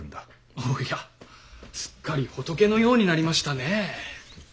おやすっかり仏のようになりましたね。